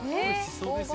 そうです。